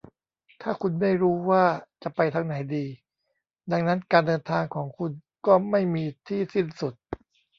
ถ้าคุณไม่รู้ว่าจะไปทางไหนดี ดังนั้นการเดินทางของคุณก็ไม่มีที่สิ้นสุด